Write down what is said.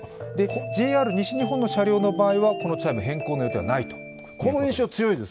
ＪＲ西日本の車両の場合は、このチャイム、変更の予定はないということです。